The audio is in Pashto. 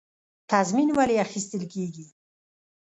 تضمین ولې اخیستل کیږي؟